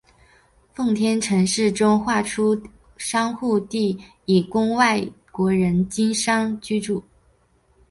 奉天城市中划出商埠地以供外国人经商居住。